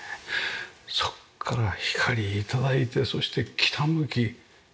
そこから光頂いてそして北向き屋根。